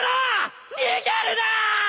逃げるなー！！